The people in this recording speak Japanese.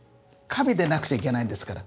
華美でなくちゃいけないんですから。